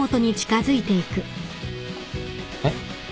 えっ？